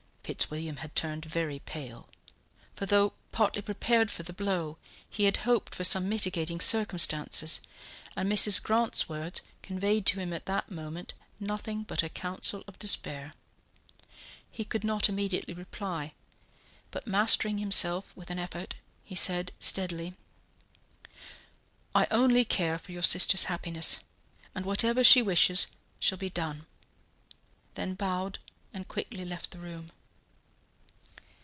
Fitzwilliam had turned very pale; for though partly prepared for the blow, he had hoped for some mitigating circumstances, and Mrs. Grant's words conveyed to him at that moment nothing but a counsel of despair. He could not immediately reply, but mastering himself with an effort, he said, steadily: "I only care for your sister's happiness, and whatever she wishes shall be done"; then bowed and quickly left the room.